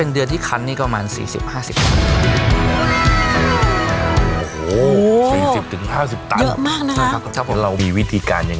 เดือนที่คันก็ประมาณ๔๐๕๐ตั้น